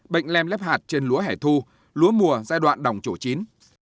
bệnh lem lép hạt trên lúa hẻ thu lúa mùa giai đoạn đồng chỗ chín